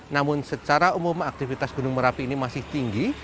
namun secara umum aktivitas gunung merapi ini masih tinggi